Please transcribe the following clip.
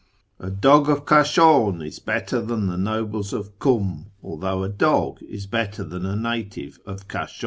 " A dog of Kashan is better than the nobles of Kum, Although a dog is better than a native of Kashau."